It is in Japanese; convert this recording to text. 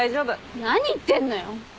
何言ってんのよ。